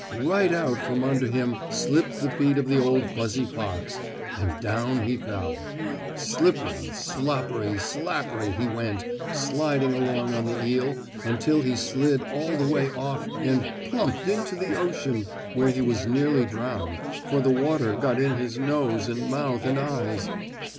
Right out from under him slipped the feet of the old fuzzy fox, and down he fell. Slippery, sloppery, slappery he went, sliding along on the eel until he slid all the way off and plumped into the ocean, where he was nearly drowned, for the water got in his nose and mouth and eyes.